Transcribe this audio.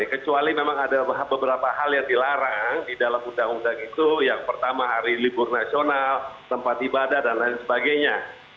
kecuali memang ada beberapa hal yang dilarang di dalam undang undang itu yang pertama hari libur nasional tempat ibadah dan lain sebagainya